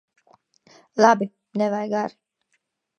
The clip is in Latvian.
Labi! Nevajag ar'.